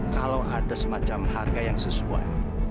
kalau ada semacam harga yang sesuai